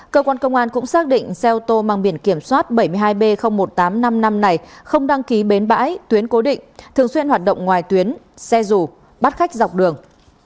cơ quan công an cũng xác định xe ô tô mang biển kiểm soát bảy mươi hai b một nghìn tám trăm năm mươi năm này không đăng ký bến bãi tuyến cố định thường xuyên hoạt động ngoài tuyến xe rù bắt khách dọc đường